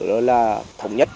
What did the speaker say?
đó là thống nhất